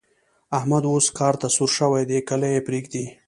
احمد اوس کار ته سور شوی دی؛ کله يې پرېږدي.